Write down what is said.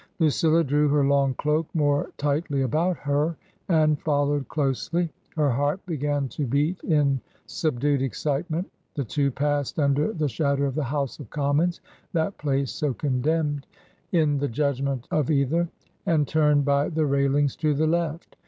Lucilla drew her long cloak more tightly about her and followed closely; her heart began to beat in subdued excitement The two passed under the shadow of the House of Commons — ^that place so con demned '^ the judgment of either — and turned by the railings to the left.